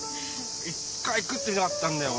１回食ってみたかったんだよこれ。